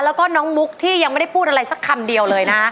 แล้วก็น้องมุกที่ยังไม่ได้พูดอะไรสักคำเดียวเลยนะ